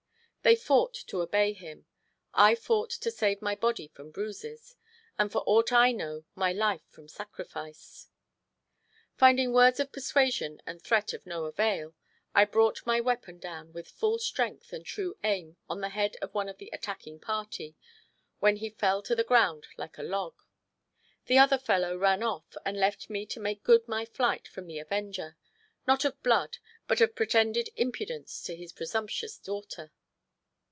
They fought to obey him, I fought to save my body from bruises, and for aught I know, my life from sacrifice. Finding words of persuasion and threat of no avail, I brought my weapon down with full strength and true aim on the head of one of the attacking party, when he fell to the ground like a log. The other fellow ran off and left me to make good my flight from the avenger—not of blood, but of pretended impudence to his presumptuous daughter.